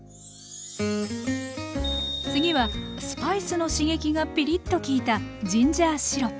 次はスパイスの刺激がピリッと利いたジンジャーシロップ。